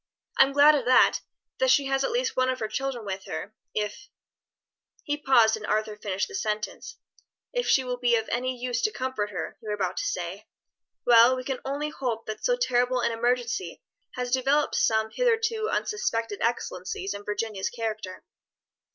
"I'm glad of that that she has at least one of her children with her, if " He paused and Arthur finished the sentence. "If she will be of any use or comfort to her, you were about to say? Well, we can only hope that so terrible an emergency has developed some hitherto unsuspected excellencies in Virginia's character."